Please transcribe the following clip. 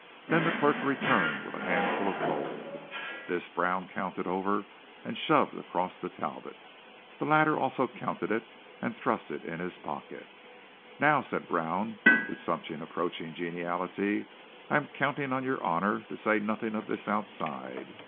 Then the clerk returned with a handful of gold. This Brown counted over and shoved across to Talbot. The latter also counted it, and thrust it in his pocket. "Now," said Brown, with something approaching geniality, "I am counting on your honour to say nothing of this outside.